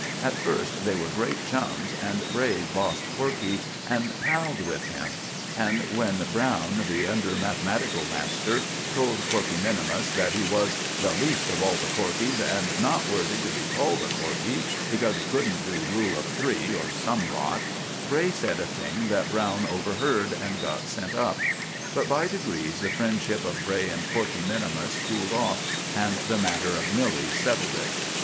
At first they were great chums, and Bray bossed Corkey and palled with him; and when Browne, the under mathematical master, told Corkey minimus that he was "the least of all the Corkeys, and not worthy to be called a Corkey," because he couldn't do rule of three, or some rot, Bray said a thing that Browne overheard, and got sent up. But by degrees the friendship of Bray and Corkey minimus cooled off, and the matter of Milly settled it.